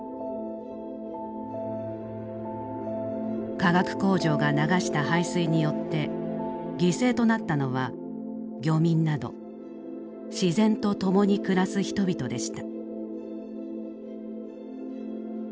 化学工場が流した排水によって犠牲となったのは漁民など自然と共に暮らす人々でした。